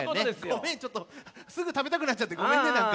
ちょっとすぐたべたくなっちゃってごめんねなんか。